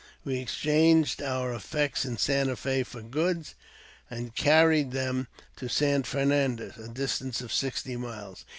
We exchanged our effects in Santa F^ for goods, and carried them to St. Fernandez, a distance of sixty miles.